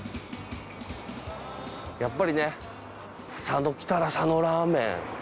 やっぱりね佐野来たら佐野ラーメン。